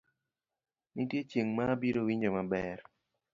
nitie chieng' ma abiro winjo maber